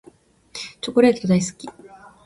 チョコレート大好き。